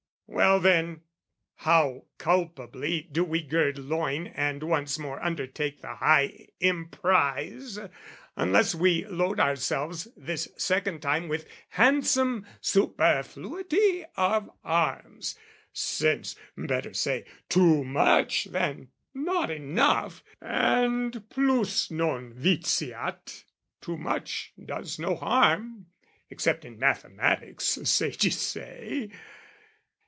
Well then, how culpably do we gird loin And once more undertake the high emprise, Unless we load ourselves this second time With handsome superfluity of arms, Since better say "too much" than "not enough," And "plus non vitiat," too much does no harm, Except in mathematics, sages say.